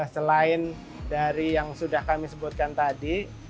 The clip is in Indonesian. selain dari yang sudah kami sebutkan tadi